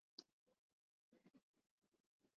John Zeps owns music stores and plays in several bands.